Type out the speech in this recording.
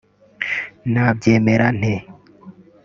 Nabyemera nte